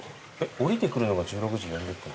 下りてくるのが１６時４０分？